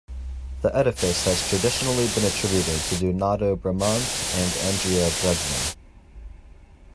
The edifice has traditionally been attributed to Donato Bramante and Andrea Bregno.